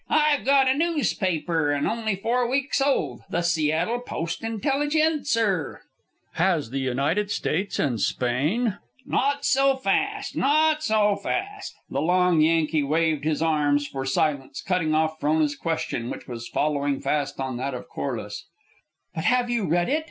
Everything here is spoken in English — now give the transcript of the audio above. I've got a noospaper, an' only four weeks' old, the Seattle Post Intelligencer." "Has the United States and Spain " "Not so fast, not so fast!" The long Yankee waved his arms for silence, cutting off Frona's question which was following fast on that of Corliss. "But have you read it?"